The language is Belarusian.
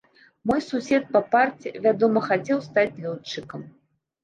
Мой сусед па парце, вядома, хацеў стаць лётчыкам.